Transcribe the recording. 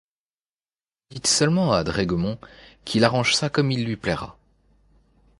Dites seulement à Daigremont qu'il arrange ça comme il lui plaira.